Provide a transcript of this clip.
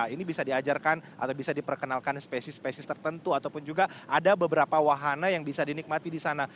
ini bisa diajarkan atau bisa diperkenalkan spesies spesies tertentu ataupun juga ada beberapa wahana yang bisa dinikmati di sana